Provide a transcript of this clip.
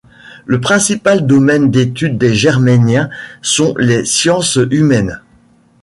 Le principal domaine d'études des Germainiens sont les sciences humaines.